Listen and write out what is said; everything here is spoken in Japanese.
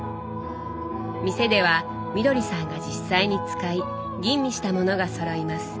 店ではみどりさんが実際に使い吟味した物がそろいます。